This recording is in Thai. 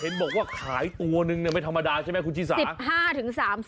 เห็นบอกว่าขายตัวนึงไม่ธรรมดาใช่ไหมคุณชิสา